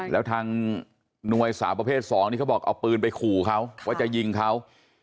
แล้วทางหน่วยสาวประเภท๒นี่เขาบอกเอาปืนไปขู่เขาว่าจะยิงเขา